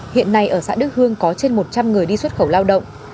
hiện nay ở xã đức hương có trên một trăm linh người đi xuất khẩu lao động